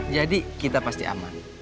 jadi kita pasti aman